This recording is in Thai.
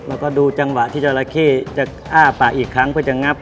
แล้วก็ดูจังหวะที่จราเข้จะอ้าปากอีกครั้งเพื่อจะงับ